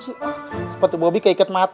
ini sepatu kayak saya kenalkah